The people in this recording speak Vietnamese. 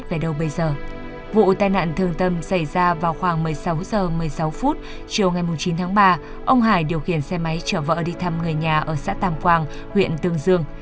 chín tháng ba ông hải điều khiển xe máy chở vợ đi thăm người nhà ở xã tam quang huyện tương dương